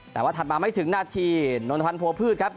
แต่ว่าถัดมาไม่ถึงนาทีนนทพันธ์โพพืชครับ